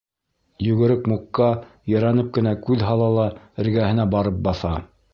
Йүгерек Мукҡа ерәнеп кенә күҙ һала ла эргәһенә барып баҫа.